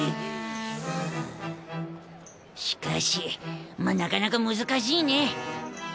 しかしまあなかなか難しいね。